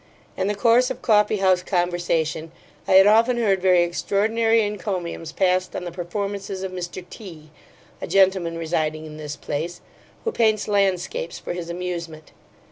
In the course of coffeehouse conversation, I had often heard very extraordinary encomiums passed on the performances of Mr T , a gentleman residing in this place, who paints landscapes for his amusement.